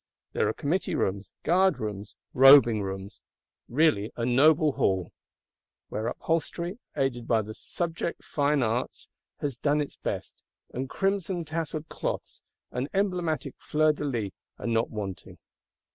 There are committee rooms, guard rooms, robing rooms: really a noble Hall; where upholstery, aided by the subject fine arts, has done its best; and crimson tasseled cloths, and emblematic fleurs de lys are not wanting.